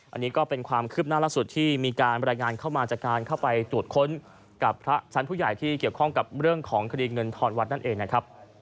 อันนี้ก็เป็นความคืบหน้าล่าสุดที่มีการบรรยายงานเข้ามาจากการเข้าไปตรวจค้นกับพระชั้นผู้ใหญ่ที่เกี่ยวข้องกับเรื่องของคดีเงินทอนวัดนั่นเองนะครับ